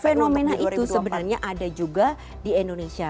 fenomena itu sebenarnya ada juga di indonesia